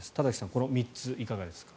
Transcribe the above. この３ついかがですか。